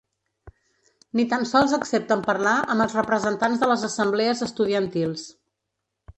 Ni tan sols accepten parlar amb els representants de les assemblees estudiantils.